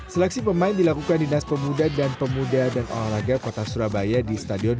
seksi pemain dilakukan di dasar muda dan pemuda dan olahraga kota surabaya di stadion